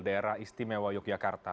daerah istimewa yogyakarta